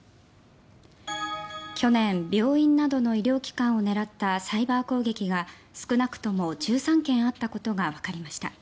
去年、病院などの医療機関を狙ったサイバー攻撃が少なくとも１３件あったことがわかりました。